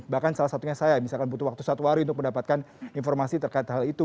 bahkan salah satunya saya misalkan butuh waktu satu hari untuk mendapatkan informasi terkait hal itu